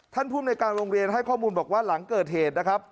ภูมิในการโรงเรียนให้ข้อมูลบอกว่าหลังเกิดเหตุนะครับ